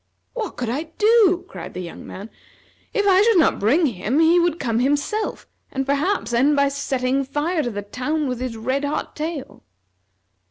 "What could I do?" cried the young man. "If I should not bring him he would come himself and, perhaps, end by setting fire to the town with his red hot tail."